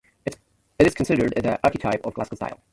It is considered the archetype of classical style.